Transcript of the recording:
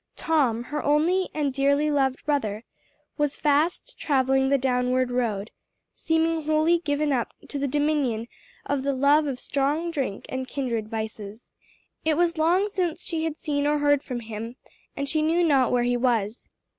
Tom, her only and dearly loved brother, was fast traveling the downward road, seeming wholly given up to the dominion of the love of strong drink and kindred vices. It was long since she had seen or heard from him and she knew not where he was.